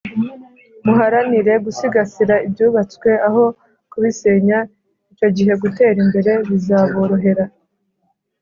muharanire gusigasira ibyubatswe aho kubisenya icyo gihe gutera imbere bizaborohera